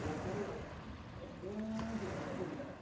ウンって音するじゃない。